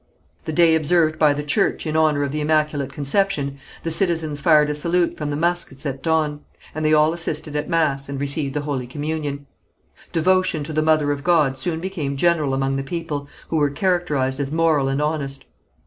On the 8th, the day observed by the church in honour of the Immaculate Conception, the citizens fired a salute from the muskets at dawn, and they all assisted at mass, and received the Holy Communion. Devotion to the Mother of God soon became general among the people, who were characterized as moral and honest.